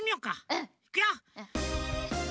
うん。いくよ。